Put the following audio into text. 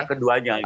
ada keduanya gitu